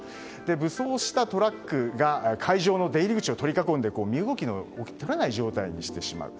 武装したトラックが会場の出入り口を取り囲んで、身動きが取れない状態にしてしまうと。